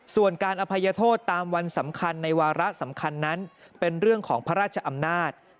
ส่วนการอภัยโทษตามวันสำคัญในวาระสำคัญนั้นเป็นเรื่องของพระราชอำนาจ